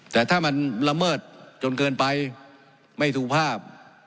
แต่ถ้ามันละเมิดจนเกินไปไม่สุภาพ